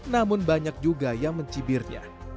namun banyak juga yang mencibirnya